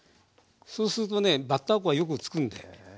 そうするとねバッター粉がよくつくんで。